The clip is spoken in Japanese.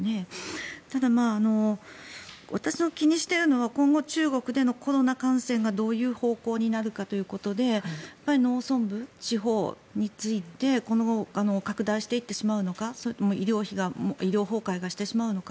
ただ、私が気にしているのは今後、中国でのコロナ感染がどういう方向になるかということで農村部、地方について拡大していってしまうのか医療崩壊してしまうのか